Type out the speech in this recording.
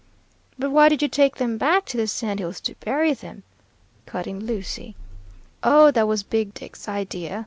'" "But why did you take them back to the sand hills to bury them?" cut in Lucy. "Oh, that was Big Dick's idea.